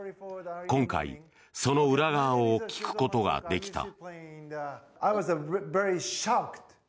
今回、その裏側を聞くことができた。